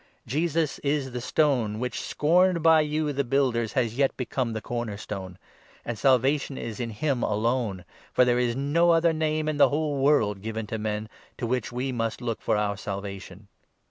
Jesus is 'the stone which, scorned by you the n builders, has yet become the corner stone.' And Salvation 12 is in him alone ; for there is no other Name in the whole world, given to men, to which we must look for our Salva tion."